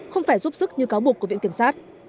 không phải giúp sức như cáo buộc của viện kiểm sát